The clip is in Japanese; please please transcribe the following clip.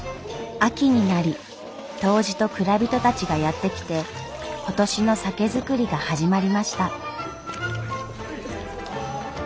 秋になり杜氏と蔵人たちがやって来て今年の酒造りが始まりました。